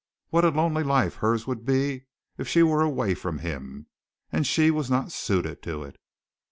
What a lonely life hers would be if she were away from him! And she was not suited to it.